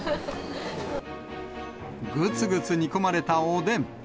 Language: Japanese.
ぐつぐつ煮込まれたおでん。